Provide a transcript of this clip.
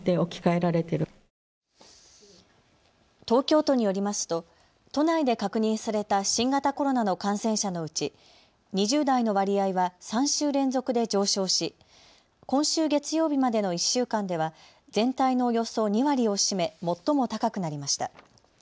東京都によりますと都内で確認された新型コロナの感染者のうち２０代の割合は３週連続で上昇し今週月曜日までの１週間では全体のおよそ２割を占め最も高くなりました。